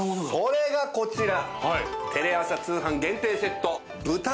それがこちら！